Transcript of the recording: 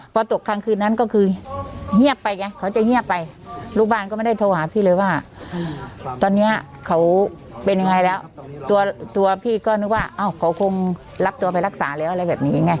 พอตกกลางคืนนั้นก็คือเงียบไปไงเขาจะเงียบไปลูกบ้านก็ไม่ได้โทรหาพี่เลยว่าตอนนี้เขาเป็นยังไงแล้วตัวพี่ก็นึกว่าเขาคงรับตัวไปรักษาแล้วอะไรแบบนี้ไง